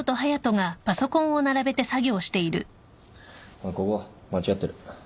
おいここ間違ってる。